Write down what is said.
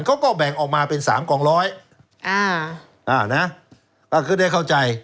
เขาก็แบ่งออกมาเป็นสามกองร้อยอ่าอ่านะก็คือได้เข้าใจ